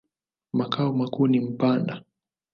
Makao makuu ni Mpanda.